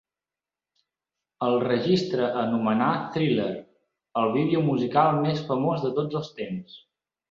El registre a nomenar Thriller "el video musical més famós de tots els temps".